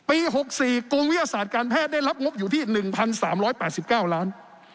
๖๔กรมวิทยาศาสตร์การแพทย์ได้รับงบอยู่ที่๑๓๘๙ล้าน